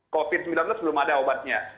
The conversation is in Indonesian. covid sembilan belas belum ada obatnya